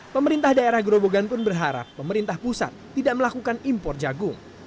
pemerintah daerah grobogan pun berharap pemerintah pusat tidak melakukan impor jagung